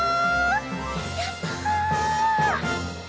やった！